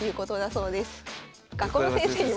学校の先生にも。